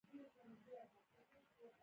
ډيپلومات د کلتوري تبادلو پل جوړوي.